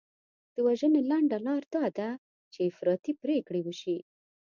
د وژنې لنډه لار دا ده چې افراطي پرېکړې وشي.